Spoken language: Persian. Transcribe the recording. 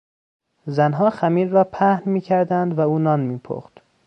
زنها خمیر را پهن میکردند و او نان میپخت.